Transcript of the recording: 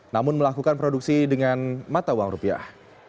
namun melakukan produksi dengan mata uang rupiah